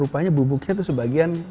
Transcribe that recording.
rupanya bubuknya tuh sebagian